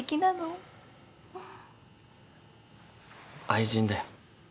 愛人だよ。